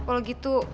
ya udah kalau gitu